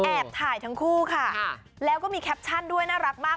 ถ่ายทั้งคู่ค่ะแล้วก็มีแคปชั่นด้วยน่ารักมาก